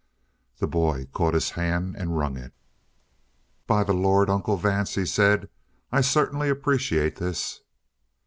The boy caught his hand and wrung it. "By the Lord, Uncle Vance," he said, "I certainly appreciate this!"